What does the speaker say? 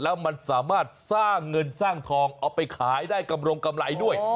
แล้วมันสามารถสร้างเงินสร้างทองเอาไปขายได้กำรงกำไรด้วย